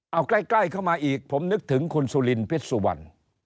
เอาใกล้เข้ามาอีกผมนึกถึงคุณสุลินพิษสุวรรณ